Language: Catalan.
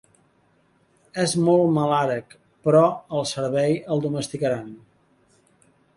És molt malarec, però al servei el domesticaran!